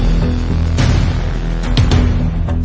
สวัสดีครับ